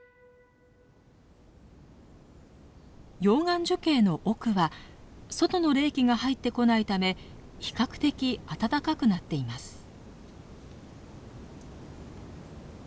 溶岩樹型の奥は外の冷気が入ってこないため比較的あたたかくなっています。